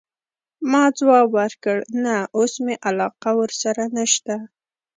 ما ځواب ورکړ: نه، اوس مي علاقه ورسره نشته.